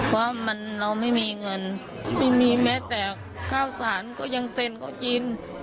ว่าเราไม่มีเงินไม่มีแม้แต่ข้าวสารก็ยังเซ็นก็กิน